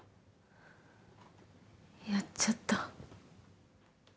やっちゃった。